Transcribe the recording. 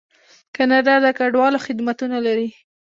کاناډا د کډوالو خدمتونه لري.